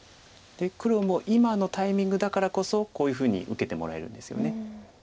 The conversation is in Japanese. で黒も今のタイミングだからこそこういうふうに受けてもらえるんですよね。